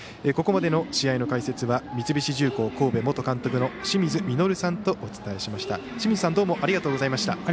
ここまでの試合の解説は三菱重工神戸元監督の清水稔さんとお伝えしました。